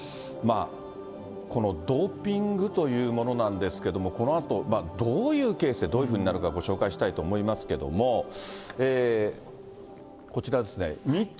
このドーピングというものなんですけれども、このあと、どういうケースで、どういうふうになるか、ご紹介したいと思いますけど、こちらですね。